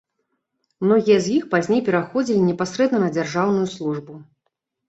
Многія з іх пазней пераходзілі непасрэдна на дзяржаўную службу.